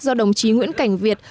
do đồng chí nguyễn cảnh việt